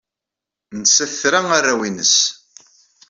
Nettat tra arraw-nnes.